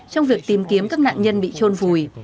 trong việc tìm kiếm các nạn nhân bị trôn vùi